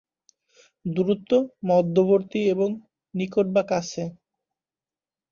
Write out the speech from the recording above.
দূরত্ব, মধ্যবর্তী এবং নিকট বা কাছে।